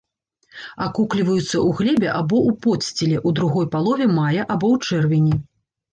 Акукліваюцца ў глебе або ў подсціле ў другой палове мая або ў чэрвені.